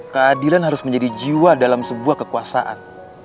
keadilan harus menjadi jiwa dalam sebuah kekuasaan